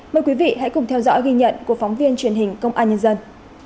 mời quý vị hãy cùng theo dõi ghi nhận của phóng viên truyền hình công an nhân dân